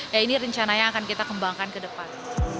ya ini rencananya akan kita kembangkan ke depan